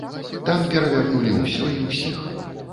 Там перавярнулі ўсё і ўсіх.